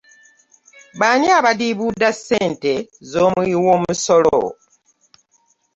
Bani abadiibuuda ssente z'omuwi w'omusolo.